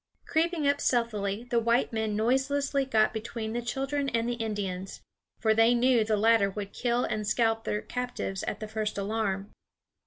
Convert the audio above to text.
Creeping up stealthily, the white men noiselessly got between the children and the Indians, for they knew the latter would kill and scalp their captives at the first alarm.